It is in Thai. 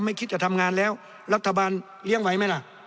คิดจะทำงานแล้วรัฐบาลเลี้ยงไว้ไหมล่ะ